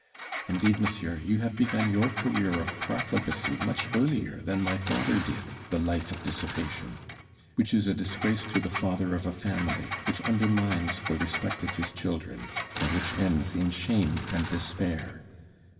Indeed, monsieur, you have begun your career of profligacy much earlier than my father did, the life of dissipation, which is a disgrace to the father of a family, which undermines the respect of his children, and which ends in shame and despair.